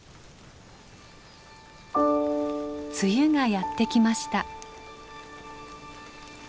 梅雨がやって来ました。